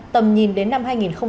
tầm nhìn đến năm hai nghìn ba mươi